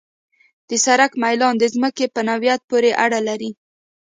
د سړک میلان د ځمکې په نوعیت پورې اړه لري